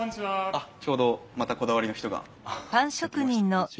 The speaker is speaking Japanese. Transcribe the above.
あっちょうどまたこだわりの人がやって来ました。